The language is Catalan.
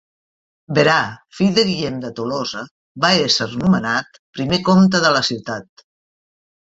Berà, fill de Guillem de Tolosa, va ésser nomenat primer comte de la ciutat.